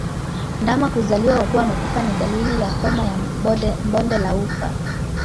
Ndama kuzaliwa wakiwa wamekufa ni dalili ya homa ya bonde la ufa